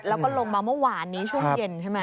แล้วก็ลงมาเมื่อวานนี้ช่วงเย็นใช่ไหม